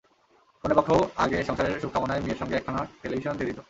কনেপক্ষও আগে সংসারের সুখ কামনায় মেয়ের সঙ্গে একখানা টেলিভিশন দিয়ে দিত।